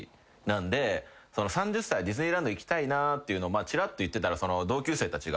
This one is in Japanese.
３０歳ディズニーランド行きたいなっていうのをちらっと言ってたら。